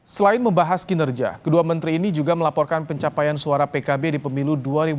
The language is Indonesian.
selain membahas kinerja kedua menteri ini juga melaporkan pencapaian suara pkb di pemilu dua ribu dua puluh